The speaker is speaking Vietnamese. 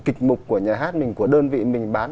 kịch mục của nhà hát mình của đơn vị mình bán